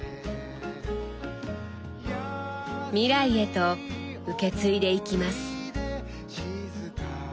未来へと受け継いでいきます。